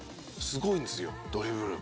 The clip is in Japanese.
「すごいんですよドリブル」